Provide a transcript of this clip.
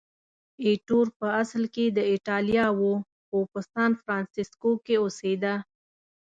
ایټور په اصل کې د ایټالیا و، خو په سانفرانسیسکو کې اوسېده.